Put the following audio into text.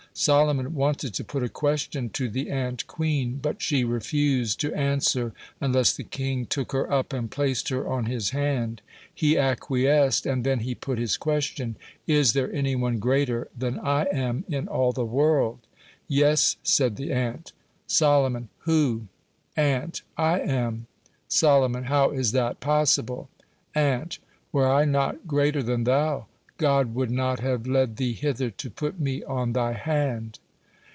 Solomon wanted to put a question to the ant queen, but she refused to answer unless the king took her up and placed her on his hand. He acquiesced, and then he put his question: "Is there any one greater than I am in all the world?" "Yes," said the ant. Solomon: "Who?" Ant: "I am." Solomon: "How is that possible?" Ant: "Were I not greater than thou, God would not have led thee hither to put me on thy hand."